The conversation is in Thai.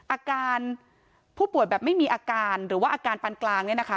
อาการผู้ป่วยแบบไม่มีอาการหรือว่าอาการปันกลางเนี่ยนะคะ